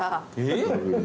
えっ？